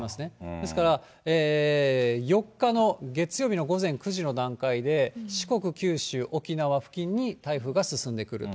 ですから、４日の月曜日の午前９時の段階で、四国、九州、沖縄付近に台風が進んでくると。